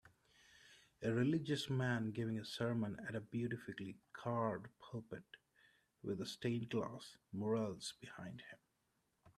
A religious man giving a sermon at a beautifully carved pulpit with stained glass murals behind him